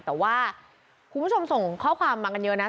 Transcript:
แต่ว่าคุณผู้ชมส่งข้อความมากันเยอะนะ